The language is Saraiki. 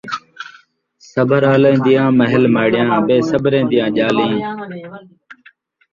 صبر آلیاں دیاں محل ماڑیاں ، بے صبریاں دیاں ڄالیں